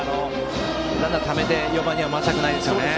ランナーをためて４番に回したくないですよね。